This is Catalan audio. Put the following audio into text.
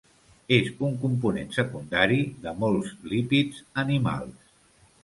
És un component secundari de molts lípids animals.